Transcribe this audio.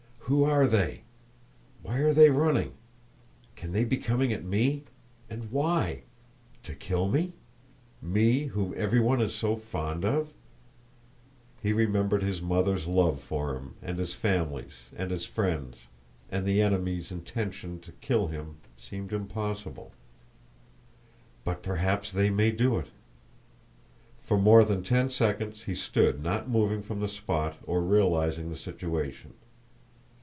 "Who are they? Why are they running? Can they be coming at me? And why? To kill me? Me whom everyone is so fond of?" He remembered his mother's love for him, and his family's, and his friends', and the enemy's intention to kill him seemed impossible. "But perhaps they may do it!" For more than ten seconds he stood not moving from the spot or realizing the situation.